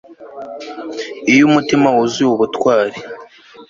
iyo umutima wuzuye ubutwari